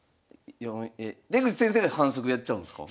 え出口先生が反則やっちゃうんですか？